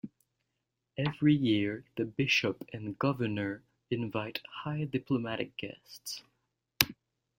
Every year the bishop and gouverneur invite high diplomatic guests.